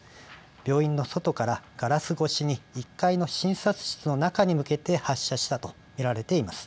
病院の外からガラス越しに１階の診察室の中に向けて発射したと見られています。